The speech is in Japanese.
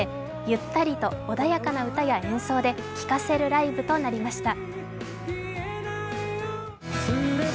ゆったりと穏やかな歌と演奏で聴かせるライブとなりました。